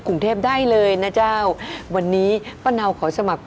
กรูผู้สืบสารล้านนารุ่นแรกแรกรุ่นเลยนะครับผม